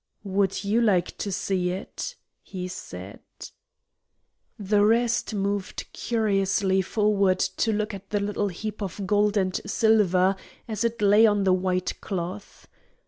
"Would you like to see it?" he said. The rest moved curiously forward to look at the little heap of gold and silver as it lay on the white cloth.